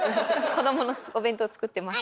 子供のお弁当作ってます。